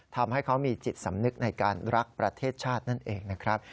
ทำให้เขามีจิตสำนึกในการรักประเทศชาตินั่นเองนะครับ